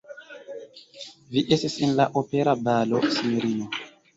Vi estis en la opera balo, sinjorino?